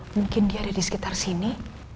mungkin dia ada di sekitar sini